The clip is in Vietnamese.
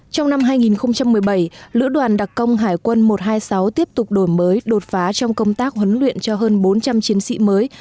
trong năm hai nghìn một mươi bảy lữ đoàn đặc công hải quân một trăm hai mươi sáu tiếp tục đổi mới đột phá trong công tác huấn luyện cho hơn bốn trăm linh chiến sĩ mới